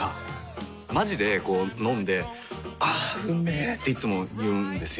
まじでこう飲んで「あーうんめ」っていつも言うんですよ。